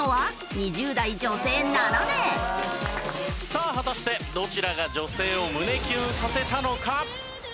さあ果たしてどちらが女性を胸キュンさせたのか？